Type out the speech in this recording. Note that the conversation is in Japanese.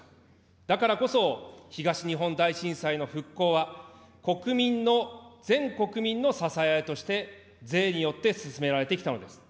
だからこそ、東日本大震災の復興は、国民の、全国民の支え合いとして、税によって進められてきたのです。